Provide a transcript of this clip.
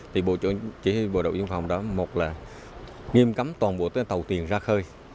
thì chỉ huy bộ đậu biên phòng đó một là nghiêm cấm toàn bộ tàu thuyền ra khơi